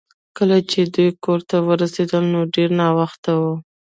کله چې دوی کور ته ورسیدل نو ډیر ناوخته و